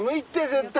絶対！